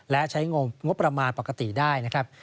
และใช้งบประมาณปกติได้นะครับ